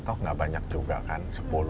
toh gak banyak juga kan